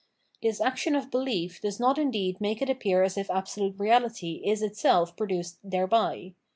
This action of belief does not indeed make it appear as if Absolute Reality is itself produced thereby.